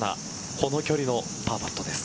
この距離のパーパットです。